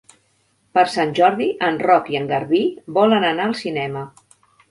Per Sant Jordi en Roc i en Garbí volen anar al cinema.